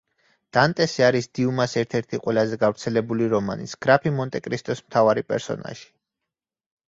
დანტესი არის დიუმას ერთ-ერთი ყველაზე გავრცელებული რომანის, გრაფი მონტე-კრისტოს მთავარი პერსონაჟი.